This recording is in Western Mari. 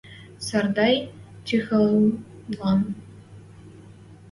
Сардай Тихӹнлӓн.